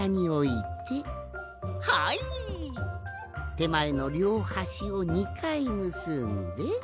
てまえのりょうはしを２かいむすんで。